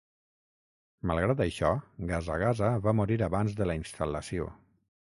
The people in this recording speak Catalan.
Malgrat això, Gasagasa va morir abans de la instal·lació.